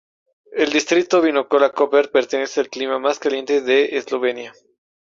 El distrito vinícola Koper pertenece al clima más caliente en Eslovenia.